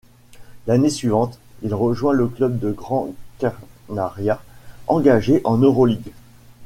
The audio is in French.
L'année suivante, il rejoint le club de Gran Canaria engagé en Euroligue.